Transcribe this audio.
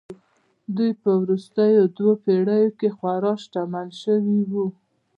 دوی په وروستیو دوو پېړیو کې خورا شتمن شوي وو